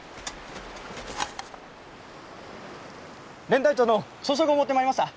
連隊長殿朝食を持ってまいりました。